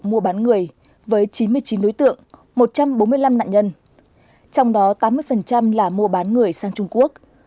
mua bán người với chín mươi chín đối tượng một trăm bốn mươi năm nạn nhân trong đó tám mươi là mua bán người sang trung quốc